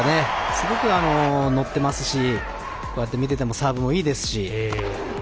すごく乗ってきましたし見ていてもサーブもいいですし。